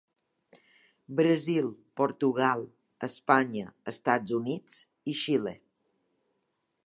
Brasil, Portugal, Espanya, Estats Units i Xile.